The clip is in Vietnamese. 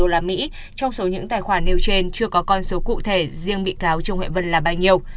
trong số những tài khoản nêu trên chưa có con số cụ thể riêng bị cáo trung huệ vân là bao nhiêu